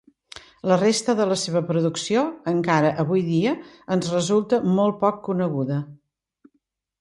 La resta de la seva producció encara avui dia ens resulta molt poc coneguda.